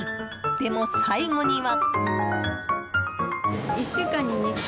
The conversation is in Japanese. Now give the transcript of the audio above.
でも、最後には。